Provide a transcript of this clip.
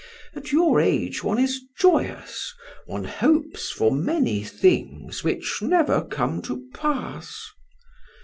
At your age one is joyous; one hopes for many things which never come to pass.